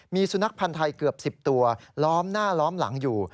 มีสุนัขพันธ์ไทยเกือบ๑๐ตัวล้อมหน้าล้อมหลังอยู่